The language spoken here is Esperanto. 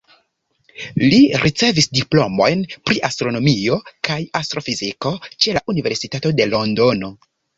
Li ricevis diplomojn pri astronomio kaj astrofiziko ĉe la Universitato de Londono.